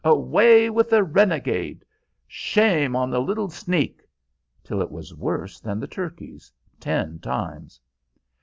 "Away with the renegade!" "Shame on the little sneak!" till it was worse than the turkeys, ten times.